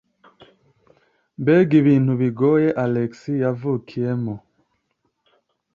Mbega ibintu bigoye Alex yavukiyemo.